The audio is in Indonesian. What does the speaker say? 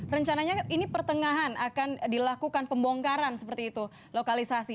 rencananya ini pertengahan akan dilakukan pembongkaran seperti itu lokalisasi